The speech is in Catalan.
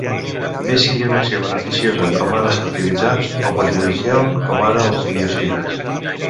Bé sigui una acció beneficiosa, com ara els fertilitzants, o perjudicial, com ara els biocides.